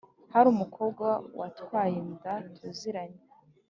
hari umukobwa watwaye inda tuziranye